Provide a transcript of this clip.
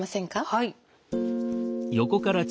はい。